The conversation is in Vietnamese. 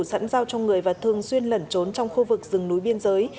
sẵn giao cho người và thường xuyên lẩn trốn trong khu vực rừng núi biên giới